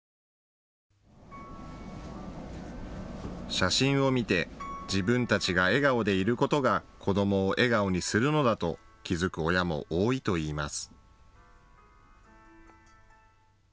写真を見て自分たちが笑顔でいることが子どもを笑顔にするのだと気付く親も多いといいます。